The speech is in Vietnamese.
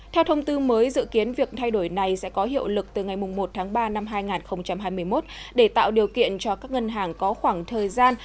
theo thông tư mới dự kiến việc thay đổi này sẽ có hiệu lực từ ngày một tháng ba năm hai nghìn hai mươi một để tạo điều kiện cho các ngân hàng có khoảng thời gian